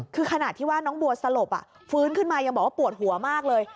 คือขนาดที่ว่าน้องบัวสลบฟื้นขึ้นมายังบอกว่าปวดหัวมากเลย